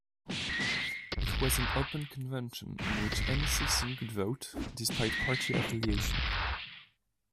It was an open convention in which any citizen could vote, despite party affiliation.